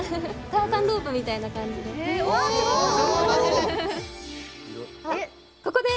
ターザンロープみたいな感じで。